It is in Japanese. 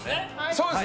そうです。